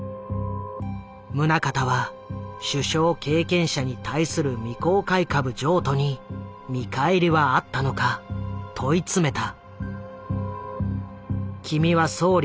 宗像は首相経験者に対する未公開株譲渡に見返りはあったのか問い詰めた。